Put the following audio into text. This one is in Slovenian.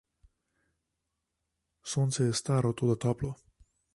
Sonce je staro, toda toplo.